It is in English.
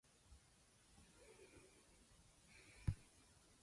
He worked for Tata and Sons in Bombay and also for the Railways.